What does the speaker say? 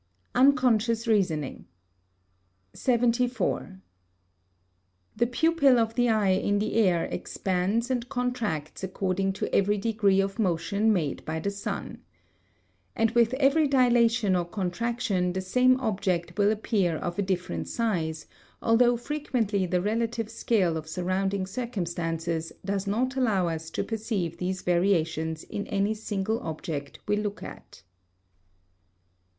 [Sidenote: Unconscious Reasoning] 74. The pupil of the eye in the air expands and contracts according to every degree of motion made by the sun. And with every dilation or contraction the same object will appear of a different size, although frequently the relative scale of surrounding circumstances does not allow us to perceive these variations in any single object we look at.